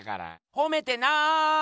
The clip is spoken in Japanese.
ほめてない！